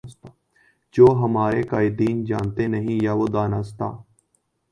جو ہمارے قائدین جانتے نہیں یا وہ دانستہ